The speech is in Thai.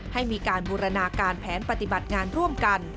ให้มีการบูรณาการแผนปฏิบัติงานร่วมกัน